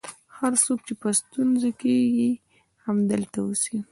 هر څوک چې په ستونزه کې یې همدلته اوسي.